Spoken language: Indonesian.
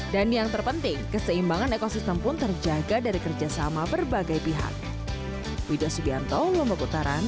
dan yang terpenting keseimbangan ekosistem pun terjaga dari kerjasama berbagai pihak